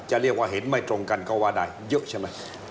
เรียกว่าเห็นไม่ตรงกันก็ว่าได้เยอะใช่ไหม